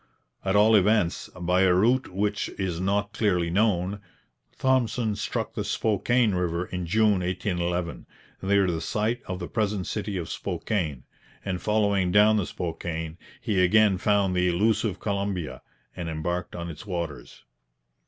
At all events, by a route which is not clearly known, Thompson struck the Spokane river in June 1811, near the site of the present city of Spokane; and following down the Spokane, he again found the elusive Columbia and embarked on its waters.